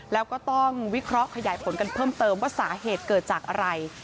แล้วก็ต้องวิเคราะห์ขยายผลกันเพิ่มเติมว่าสาเหตุเกิดจากอะไร